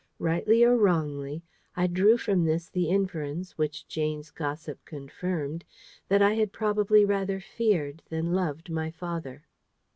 Rightly or wrongly, I drew from this the inference, which Jane's gossip confirmed, that I had probably rather feared than loved my father.